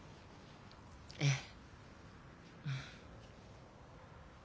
ええ。